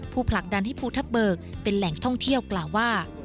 ผลักดันให้ภูทับเบิกเป็นแหล่งท่องเที่ยวกล่าวว่า